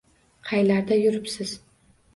-Qaylarda yuribsiz?